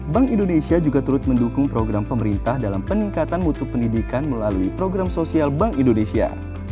bank indonesia juga turut mendukung program pemerintah dalam peningkatan mutu pendidikan melalui program sosial bank indonesia